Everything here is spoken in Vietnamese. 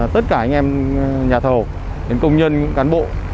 tất cả anh em nhà thầu đến công nhân cán bộ